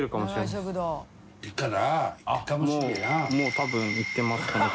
もう多分行ってます。